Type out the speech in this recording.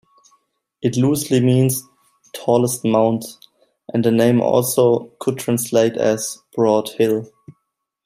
It loosely means "Tallest Mount", and the name also could translate as "Broad Hill".